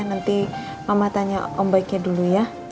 nanti mama tanya om baiknya dulu ya